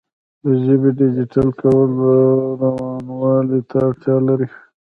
د ژبې ډیجیټل کول روانوالي ته اړتیا لري.